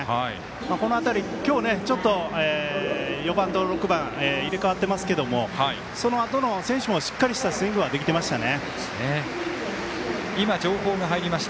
この辺り今日ちょっと４番と６番が入れ替わってますけどもそのあとの選手もしっかりしたスイングができてましたね。